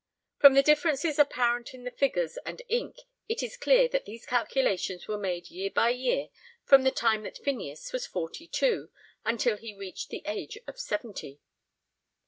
From the differences apparent in the figures and ink it is clear that these calculations were made year by year from the time that Phineas was forty two until he reached the age of seventy.